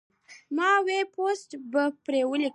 ما وې پوسټ به پرې وليکم